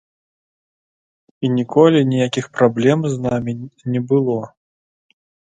І ніколі ніякіх праблем з намі не было.